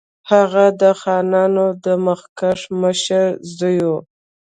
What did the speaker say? هغه د خانانو د مخکښ مشر زوی وو.